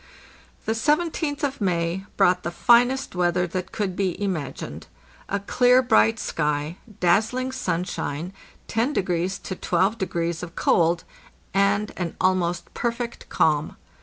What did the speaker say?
The Seventeenth of May brought the finest weather that could be imagined. A clear, bright sky, dazzling sunshine, 10° to 12° of cold, and an almost perfect calm.